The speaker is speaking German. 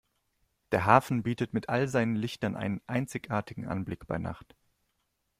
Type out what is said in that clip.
Der Hafen bietet mit all seinen Lichtern einen einzigartigen Anblick bei Nacht.